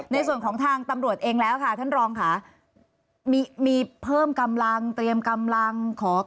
ในส่วนของทางตำรวจเองแล้วก็มีเพิ่มกำลัง